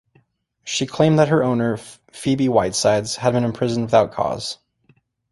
She claimed that her owner Phoebe Whitesides had been imprisoned without cause.